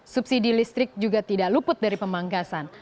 subsidi listrik juga tidak luput dari pemangkasan